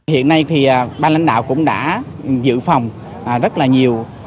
hiện nay thì ban lãnh đạo cũng đã dự phòng rất là nhiều